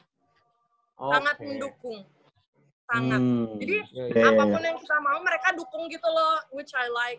jadi apapun yang kita mau mereka dukung gitu loh